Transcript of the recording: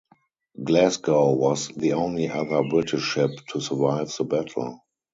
"Glasgow" was the only other British ship to survive the battle.